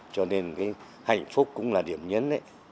cho nên hạnh phúc cũng là điểm nhấn